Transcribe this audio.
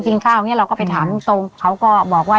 พูดคำเดียวว่างั้นเราก็เลิกกัน